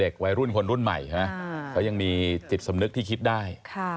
ก็ยังมีจิตสำนึกที่คิดได้